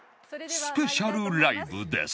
スペシャルライブです！